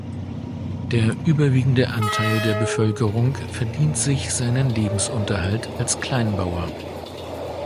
Der überwiegende Anteil der Bevölkerung verdient sich seinen Lebensunterhalt als Kleinbauer.